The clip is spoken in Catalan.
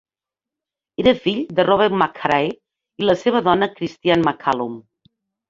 Era fill de Robert Machray i la seva dona Christian Macallum.